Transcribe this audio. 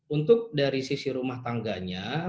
untuk dari sisi rumah tangganya